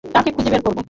তাকে খুঁজে বের করব।